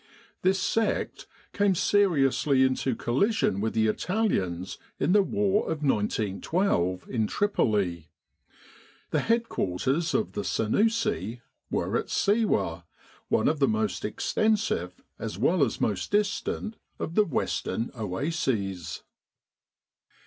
This sect came seriously into collision with the Italians in the war of 1912 in Tripoli. The headquarters of the Sennussi were at Siwa, one of the most extensive, as well as most distant, of the western oases.